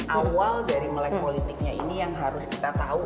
awal dari melek politiknya ini yang harus kita tahu